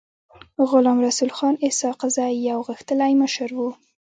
غلام رسول خان اسحق زی يو غښتلی مشر و.